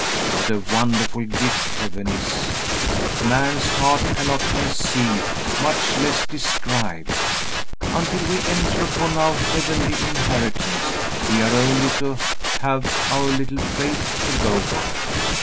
What a wonderful gift heaven is, man's heart cannot conceive, much less describe. Until we enter upon our heavenly inheritance we are only to have our little faith to go by.